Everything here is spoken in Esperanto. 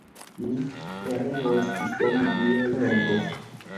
Ni pereos sen biologo!